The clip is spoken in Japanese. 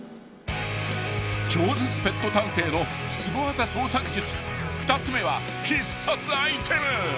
［超絶ペット探偵のすご技捜索術２つ目は必殺アイテム］